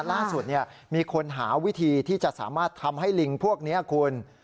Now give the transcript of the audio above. ล่าสุดมีคนหาวิธีที่จะสามารถทำให้ลิงพวกนี้คุณ